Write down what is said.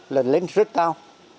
là lên rất cao